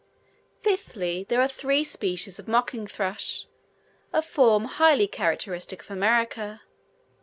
Fifthly, there are three species of mocking thrush a form highly characteristic of America.